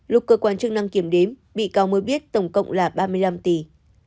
lúc cơ quan chức năng kiểm đếm bị cáo mới biết tổng cộng là ba mươi năm tỷ